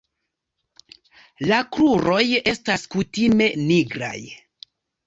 La kruroj estas kutime nigraj.